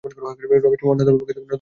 রমেশ অন্নদাবাবুকে নত হইয়া নমস্কার করিল।